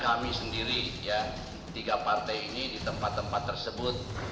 kami sendiri tiga partai ini di tempat tempat tersebut